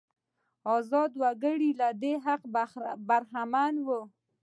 ازاد وګړي له دې حقه برخمن وو.